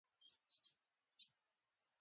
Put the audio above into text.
بارونه په سلب باندې راټولول اړین دي